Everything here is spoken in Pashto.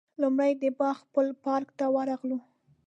لومړی د باغ پل پارک ته ورغلو.